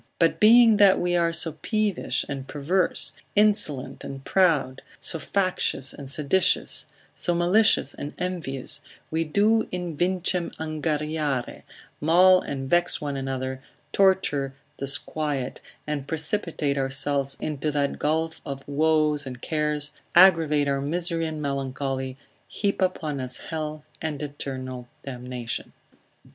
But being that we are so peevish and perverse, insolent and proud, so factious and seditious, so malicious and envious; we do invicem angariare, maul and vex one another, torture, disquiet, and precipitate ourselves into that gulf of woes and cares, aggravate our misery and melancholy, heap upon us hell and eternal damnation.